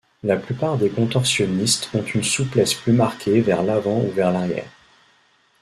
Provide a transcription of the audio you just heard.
La plupart des contorsionnistes ont une souplesse plus marquée vers l'avant ou vers l'arrière.